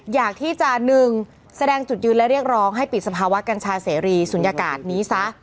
อยากที่จะหนึ่งแสดงจุดยืนและเรียกร้องให้ปิดสภาวะกัญชาเสรีศูนยากาศนี้ซะ